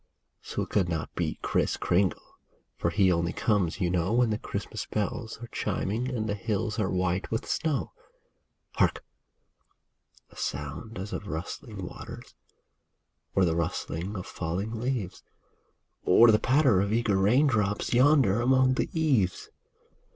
So it could not be Kriss Kringle, For he only comes, you know, When the Christmas bells are chiming. And the hills are white with snow. THE CHIMNEY SWALLOW I9 Hark ! a sound as of rushing waters, Or the rustle of falling leaves, Or the patter of eager raindrops Yonder among the eaves